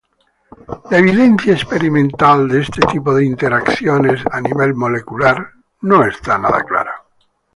La evidencia experimental de este tipo de interacción a nivel molecular no está clara.